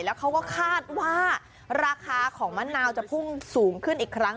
แล้วเขาก็คาดว่าราคาของมะนาวจะพุ่งสูงขึ้นอีกครั้ง